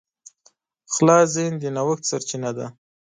خلاص ذهن د نوښت سرچینه ده.